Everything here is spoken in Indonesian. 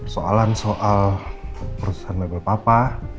soalan soal perusahaan label papa